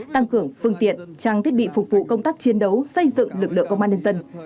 tăng cường phương tiện trang thiết bị phục vụ công tác chiến đấu xây dựng lực lượng công an nhân dân